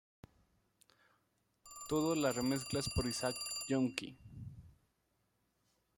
Todos las remezclas por Isaac Junkie.